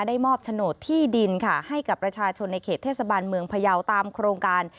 ได้มอบโฉนดที่ดินค่ะให้กับประชาชนในเขตเทศบาลเมืองพยาวตามโครงการ